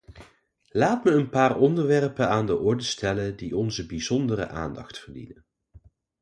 Laat me een paar onderwerpen aan de orde stellen die onze bijzondere aandacht verdienen.